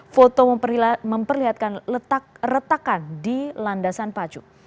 foto memperlihatkan letak retakan di landasan pacu